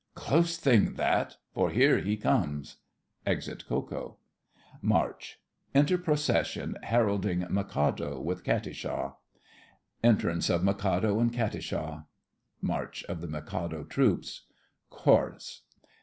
Close thing that, for here he comes! [Exit Ko Ko. March.—Enter procession, heralding Mikado, with Katisha. Entrance of Mikado and Katisha. ("March of the Mikado's troops.") CHORUS.